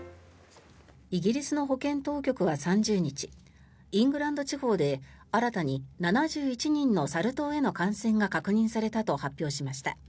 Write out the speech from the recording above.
イギリスの保健当局は３０日イングランド地方で新たに７１人のサル痘への感染が確認されたと発表しました。